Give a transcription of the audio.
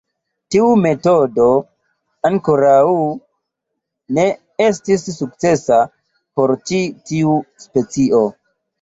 Tiu metodo ankoraŭ ne estis sukcesa por ĉi tiu specio.